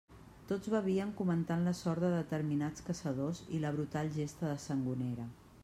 Tots bevien, comentant la sort de determinats caçadors i la brutal gesta de Sangonera.